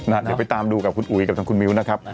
เดี๋ยวไปตามดูกับคุณอุ๋ยกับทางคุณมิ้วนะครับ